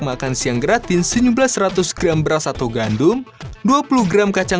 membuat makanan yang sesuai dengan harga makanan karena menutupi keuangan dari industri makanan